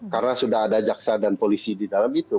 karena sudah ada jaksa dan polisi di dalam itu